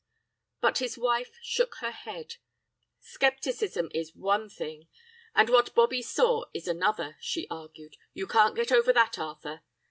"But his wife shook her head. 'Scepticism is one thing, and what Bobbie saw is another!' she argued. 'You can't get over that, Arthur!